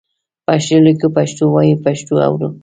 پښتو لیکو، پښتو وایو، پښتو اورو.